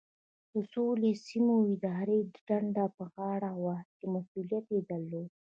د سویلي سیمو اداري دنده یې په غاړه وه چې مسؤلیت یې درلود.